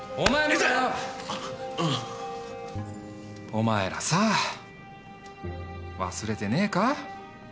お前らさ忘れてねえか？